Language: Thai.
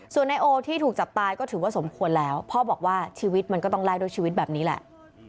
ส่วนนายโอที่ถูกจับตายก็ถือว่าสมควรแล้วพ่อบอกว่าชีวิตมันก็ต้องไล่ด้วยชีวิตแบบนี้แหละ